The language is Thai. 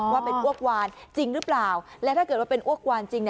ว่าเป็นอ้วกวานจริงหรือเปล่าและถ้าเกิดว่าเป็นอ้วกวานจริง